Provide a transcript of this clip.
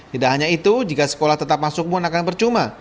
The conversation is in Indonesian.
tidak hanya itu jika sekolah tetap masuk pun akan percuma